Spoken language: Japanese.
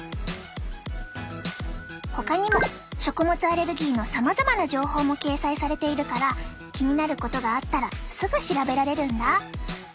ほかにも食物アレルギーのさまざまな情報も掲載されているから気になることがあったらすぐ調べられるんだ。